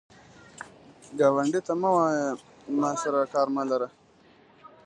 ګاونډي ته مه وایه “ما سره کار مه لره”